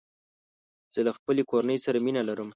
زه له خپلې کورني سره مینه لرم.